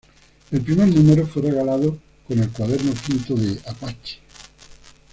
El primer número fue regalado con el cuaderno quinto de "Apache".